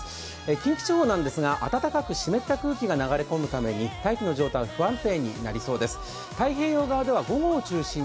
近畿地方なんですが暖かく湿った空気が流れ込むために大気の状態が不安定になりそうです。